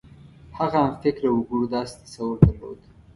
هغه همفکره وګړو داسې تصور درلود.